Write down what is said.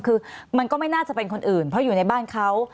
คือมันก็ไม่น่าจะเป็นคนอื่นเพราะอยู่ในบ้านเขา